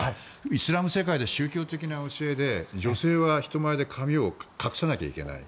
イスラム世界で宗教的な教えで女性は人前で髪を隠さなきゃいけない。